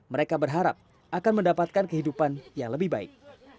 mereka berharap akan mendapatkan kehidupan yang lebih baik